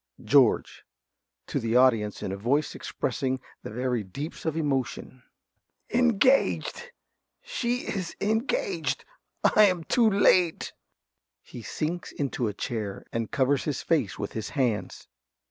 ~George~ (to the audience, in a voice expressing the very deeps of emotion). Engaged! She is engaged! I am too late! (_He sinks into a chair, and covers his face with his hands.